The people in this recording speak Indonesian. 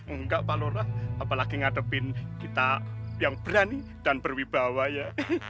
enggak pak lurah apalagi ngadepin kita yang berani dan berwibawa ya